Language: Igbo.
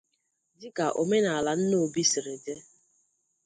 Dịka omenala Nnobi siri dị